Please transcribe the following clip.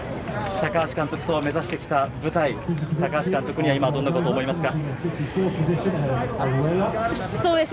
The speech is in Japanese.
高橋監督と目指してきた舞台、高橋監督にはどんなことを思いますか？